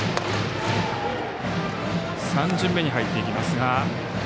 ３巡目に入っていきますが。